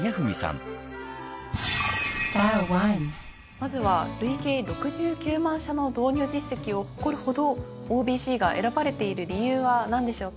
まずは累計６９万社の導入実績を誇るほどＯＢＣが選ばれている理由は何でしょうか？